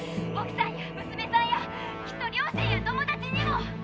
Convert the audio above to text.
おくさんや娘さんやきっと両親や友達にも。